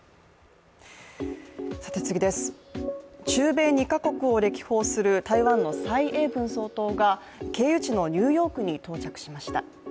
中米２か国を歴訪する、台湾の蔡英文総統が、経由地のニューヨークに到着しました。